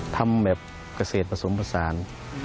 ทำแบบเกษตรผสมผสาน